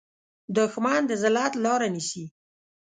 دښمن د ذلت لاره نیسي